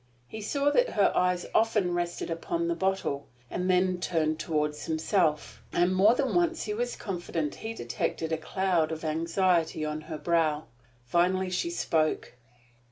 He saw that her eyes often rested upon the bottle, and then turned toward himself; and more than once he was confident he detected a cloud of anxiety on her brow. Finally she spoke.